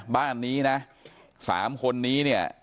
บ้านนี้นะ๓คนนี้เนี่ย